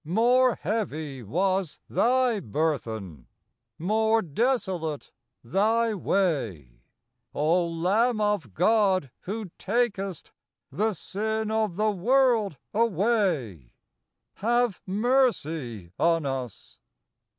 More heavy was Thy burthen, More desolate Thy way: — O Lamb of God who takest The sin of the world away, Have /nercy on 7/s.